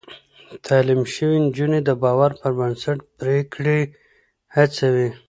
تعليم شوې نجونې د باور پر بنسټ پرېکړې هڅوي.